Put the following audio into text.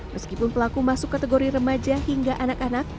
meskipun pelaku masuk kategori remaja hingga anak anak